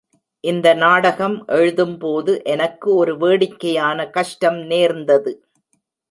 இந்த நாடகம் எழுதும் போது எனக்கு ஒரு வேடிக்கையான கஷ்டம் நேர்ந்தது.